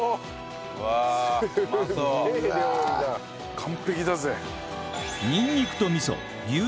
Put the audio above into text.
完璧だぜ。